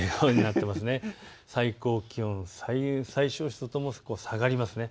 最高気温と最小湿度とも下がります。